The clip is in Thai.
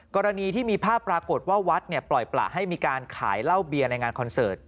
กรณีที่มีภาพปรากฏว่าวัดปล่อยประให้มีการขายเหล้าเบียร์ในงานคอนเสิร์ต